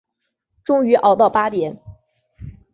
终于熬到八点